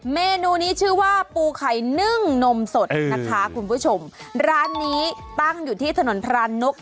ได้ไหมเมนูนี้ชื่อว่าปูไข่นึ่งนมสดคับว่าชมร้านนี้ตั้งอยู่ที่ถนนพลานุษย์